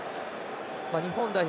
日本代表